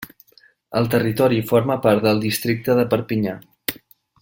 El territori forma part del districte de Perpinyà.